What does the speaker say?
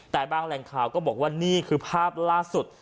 แต่บางแหล่งข่าวก็บอกว่านี่คือภาพล่าสุด